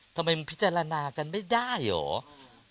ทำไมมันพิจารณากันไม่ได้เหรอ